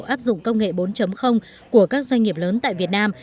áp dụng công nghệ bốn của các doanh nghiệp lớn tại việt nam